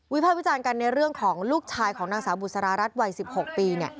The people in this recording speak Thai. ภาควิจารณ์กันในเรื่องของลูกชายของนางสาวบุษรารัฐวัย๑๖ปี